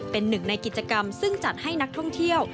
เป็นหนึ่งในกิจกรรมซึ่งจัดให้นักท่องเที่ยว